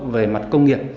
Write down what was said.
về mặt công nghiệp